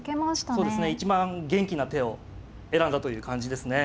そうですね一番元気な手を選んだという感じですね。